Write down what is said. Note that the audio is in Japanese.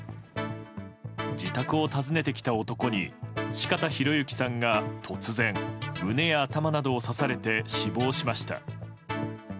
自宅を訪ねてきた男に四方洋行さんが突然、胸や頭などを刺されて死亡しました。